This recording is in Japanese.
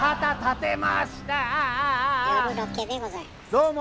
どうも！